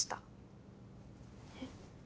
えっ？